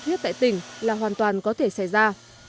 sốt huyết tại tỉnh là hoàn toàn có thể xảy ra